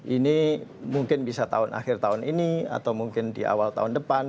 ini mungkin bisa akhir tahun ini atau mungkin di awal tahun depan